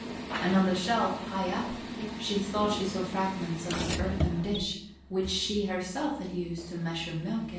And on a shelf, high up, she thought she saw fragments of an earthen dish which she herself had used to measure milk in.